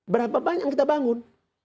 berapa banyak yang kita bangun